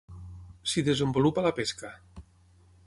S'hi desenvolupa la pesca.